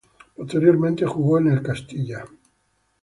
Posteriormente jugó en el Castilla.